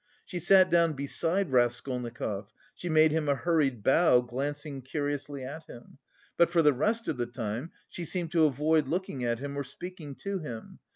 She sat down beside Raskolnikov; she made him a hurried bow, glancing curiously at him. But for the rest of the time she seemed to avoid looking at him or speaking to him.